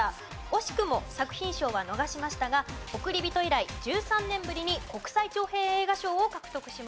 惜しくも作品賞は逃しましたが『おくりびと』以来１３年ぶりに国際長編映画賞を獲得しました。